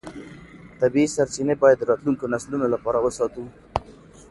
طبیعي سرچینې باید د راتلونکو نسلونو لپاره وساتو